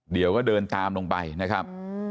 เดี๋ยวก็เดินตามลงไปนะครับ